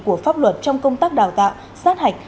của pháp luật trong công tác đào tạo sát hạch